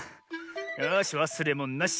よしわすれものなし。